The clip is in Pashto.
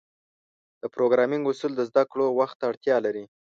د پروګرامینګ اصول زدهکړه وخت ته اړتیا لري.